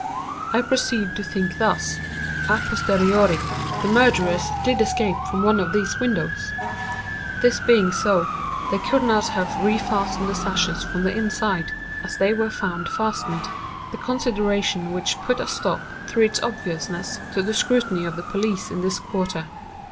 "I proceeded to think thus—a posteriori. The murderers did escape from one of these windows. This being so, they could not have refastened the sashes from the inside, as they were found fastened;—the consideration which put a stop, through its obviousness, to the scrutiny of the police in this quarter.